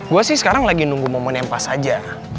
gue sih sekarang lagi nunggu momen yang pas aja